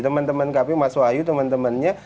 temen temen kpu mas wahyu temen temennya